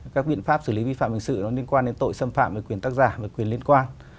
các biện pháp xử lý vi phạm hình sự nó liên quan đến tội xâm phạm về quyền tác giả và quyền liên quan